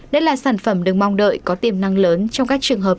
đây là sản phẩm được mong đợi có tiềm năng lớn trong các trường hợp